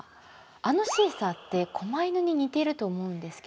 あのシーサーって狛犬に似てると思うんですけど。